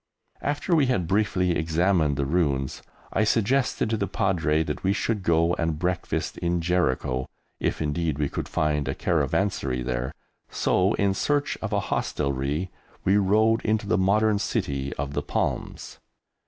After we had briefly examined the ruins, I suggested to the Padre that we should go and breakfast in Jericho, if indeed we could find a caravanserai there, so in search of a hostelry we rode into the modern city of the Palms.